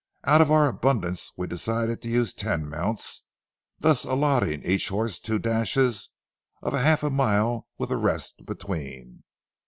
Out of our abundance we decided to use ten mounts, thus allotting each horse two dashes of a half mile with a rest between.